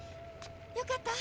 よかった。